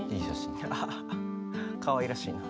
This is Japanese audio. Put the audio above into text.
ハハハかわいらしいな。